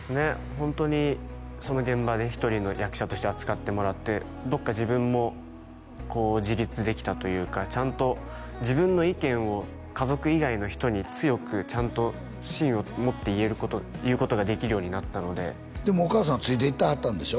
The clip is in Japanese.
ホントにその現場で一人の役者として扱ってもらってどっか自分も自立できたというかちゃんと自分の意見を家族以外の人に強くちゃんと芯を持って言うことができるようになったのででもお母さんはついて行ってはったんでしょ？